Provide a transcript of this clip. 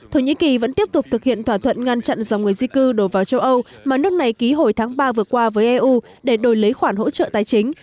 thổ nhĩ kỳ vẫn tiếp tục thực hiện thỏa thuận ngăn chặn dòng người di cư đổ vào châu âu mà nước này ký hồi tháng ba vừa qua với eu để đổi lấy khoản hỗ trợ tài chính